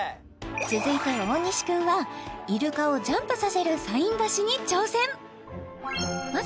続いて大西くんはイルカをジャンプさせるサイン出しに挑戦